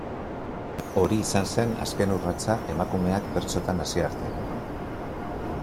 Hori izan zen azken urratsa emakumeak bertsotan hasi arte.